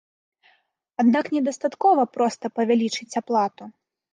Аднак не дастаткова проста павялічыць аплату.